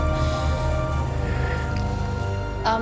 saya mau ke sana